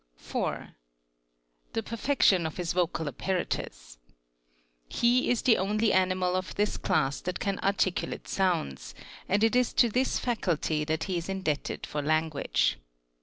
8. 4th. The perfection of his vocal apparatus. He is the only animal of this class that can articulate sounds, and it is to this faculty that he is indebted for language.